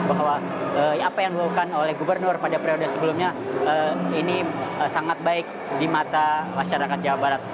bahwa apa yang dilakukan oleh gubernur pada periode sebelumnya ini sangat baik di mata masyarakat jawa barat